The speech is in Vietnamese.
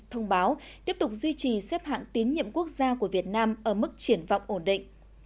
thông báo tiếp tục duy trì xếp hạng tín nhiệm quốc gia của việt nam ở mức triển vọng ổn định